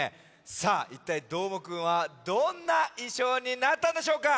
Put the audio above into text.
さあいったいどーもくんはどんないしょうになったんでしょうか。